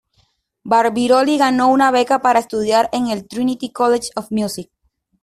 Barbirolli ganó una beca para estudiar en el Trinity College of Music.